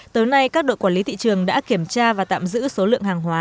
tới nay các đội quản lý thị trường đã kiểm tra và tạm giữ số lượng hàng hóa